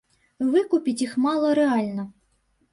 Выкупіць іх мала рэальна.